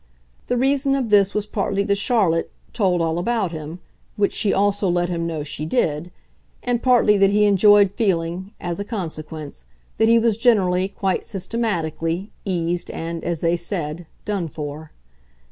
The reason of this was partly that Charlotte "told all about him" which she also let him know she did and partly that he enjoyed feeling, as a consequence, that he was generally, quite systematically, eased and, as they said, "done" for.